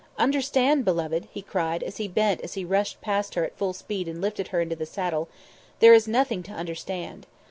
"Understand, beloved?" he cried, as he bent as he rushed past her at full speed and lifted her to the saddle. "There is nothing to understand."